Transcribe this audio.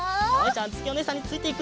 あづきおねえさんについていくぞ。